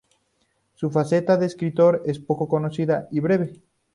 Su faceta de escritor es poco conocida y breve.